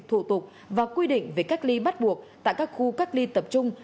thủ tục và quy định về cách ly bắt buộc tại các khu cách ly tập trung